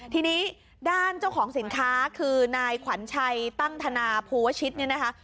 ทีนี้ด้านเจ้าของสินค้าคือนายขวัญชัยตั้งธนาภูวชิตเนี่ยนะคะ